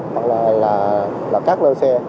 hoặc là các lơ xe